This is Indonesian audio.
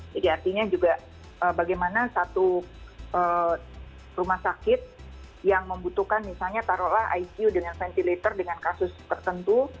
artinya juga bagaimana satu rumah sakit yang membutuhkan misalnya taruhlah icu dengan ventilator dengan kasus tertentu